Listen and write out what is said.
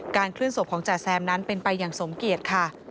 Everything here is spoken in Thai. เคลื่อนศพของจ๋าแซมนั้นเป็นไปอย่างสมเกียจค่ะ